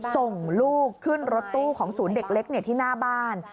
ส่งลูกขึ้นรถตู้ของศูนย์เด็กเล็กที่หน้าบ้าน